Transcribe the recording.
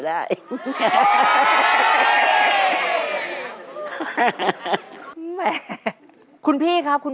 ตัวเลือกที่สอง๘คน